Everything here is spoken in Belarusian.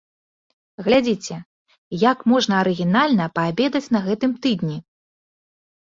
Глядзіце, як можна арыгінальна паабедаць на гэтым тыдні!